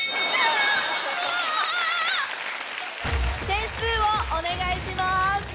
点数をお願いします。